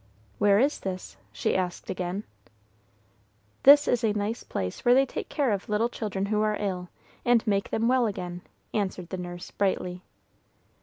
"Where is this?" she asked again. "This is a nice place where they take care of little children who are ill, and make them well again," answered the nurse, brightly.